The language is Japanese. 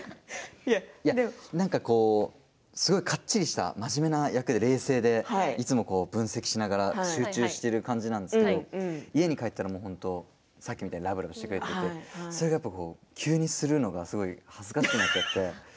なんかこうすごくはっきりした真面目な役で冷静でいつも分析しながら集中している感じなんですけど家に帰ったら本当にさっきみたいにラブラブしてそれが急にするのがすごく恥ずかしくなって。